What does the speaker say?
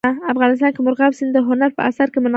افغانستان کې مورغاب سیند د هنر په اثار کې منعکس کېږي.